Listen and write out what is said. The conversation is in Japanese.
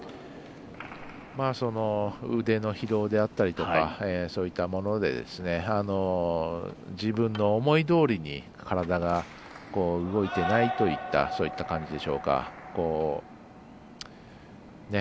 腕の疲労であったりとかそういったもので自分の思いどおりに体が動いてないといったそういった感じでしょうか。